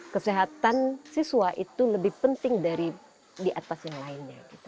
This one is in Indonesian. kesehatan siswa itu lebih penting dari di atas yang lainnya